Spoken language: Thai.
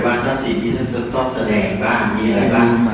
ว่าทรัพย์สินตอนแสดงบ้างมีอะไรบ้าง